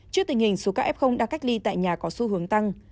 trước tình hình số các f đang cách ly tại nhà có xu hướng tăng